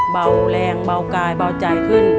เบาแรงเบากายเบาใจขึ้น